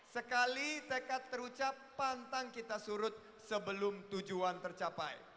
sekali tekad terucap pantang kita surut sebelum tujuan tercapai